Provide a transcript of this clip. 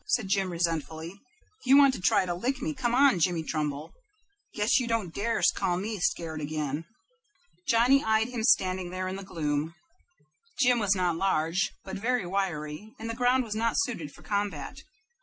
said Jim, resentfully. "If you want to try to lick me, come on, Johnny Trumbull. Guess you don't darse call me scared again." Johnny eyed him standing there in the gloom. Jim was not large, but very wiry, and the ground was not suited for combat.